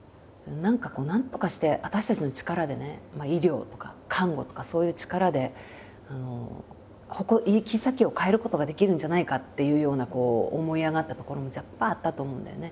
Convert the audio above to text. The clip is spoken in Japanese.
何かこうなんとかして私たちの力でね医療とか看護とかそういう力で行き先を変えることができるんじゃないかっていうような思い上がったところもあったと思うんだよね。